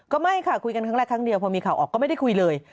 ไม่ค่ะคุยกันครั้งแรกครั้งเดียวพอมีข่าวออกก็ไม่ได้คุยเลย